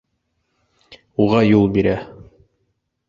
Уға юл бирә.